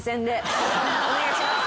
お願いします。